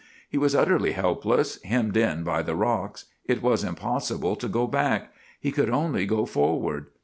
He was utterly helpless, hemmed in by the rocks. It was impossible to go back. He could only go forward.